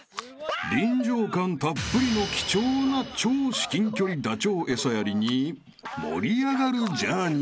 ［臨場感たっぷりの貴重な超至近距離ダチョウ餌やりに盛り上がるジャーニーたち］